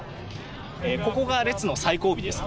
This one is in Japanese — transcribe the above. ここが列の最後尾です。